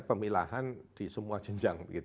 pemilahan di semua jenjang